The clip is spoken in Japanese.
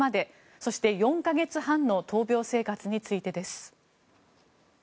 そして４か月半の闘病生活についてです。